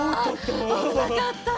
あぶなかった！